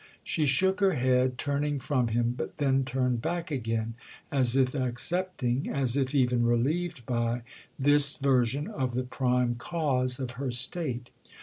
She shook her head, turning from him, but then turned back again—as if accepting, as if even relieved by, this version of the prime cause of her state.